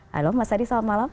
halo mas adi selamat malam